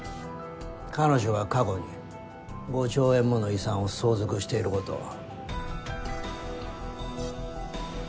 彼女は過去に５兆円もの遺産を相続していることを。